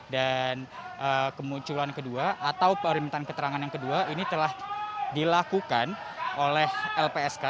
dan kemunculan kedua atau permintaan keterangan yang kedua ini telah dilakukan oleh lpsk